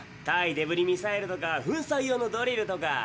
対デブリミサイルとか粉砕用のドリルとか。